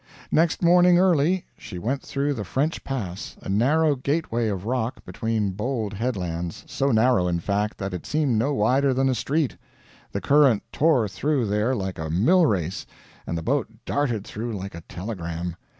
Next morning early she went through the French Pass a narrow gateway of rock, between bold headlands so narrow, in fact, that it seemed no wider than a street. The current tore through there like a mill race, and the boat darted through like a telegram.